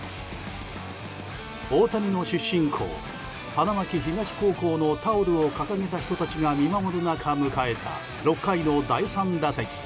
大谷の出身校・花巻東高校のタオルを掲げた人たちが見守る中迎えた６回の第３打席。